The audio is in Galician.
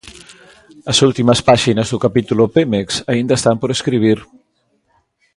As últimas páxinas do capítulo Pemex aínda están por escribir.